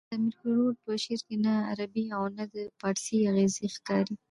د امیر کروړ په شعر کښي نه عربي او نه د پاړسي اغېزې ښکاري.